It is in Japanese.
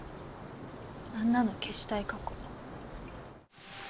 あんなの消したい過去。